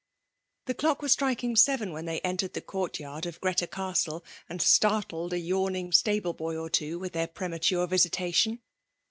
The clock was striking seven when they entered the court yard of Greta Castle, and startled a yawning stable boy or two with their premature visitation.